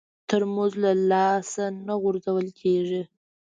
ترموز له لاسه نه غورځول کېږي.